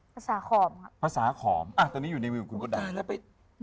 ภาษาขอมครับภาษาขอมอ่ะตอนนี้อยู่ในมือของคุณภูภา